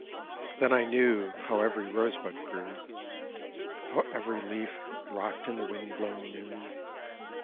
Then I knew How every rosebud grew. How every leaf rocked in the wind blown noon.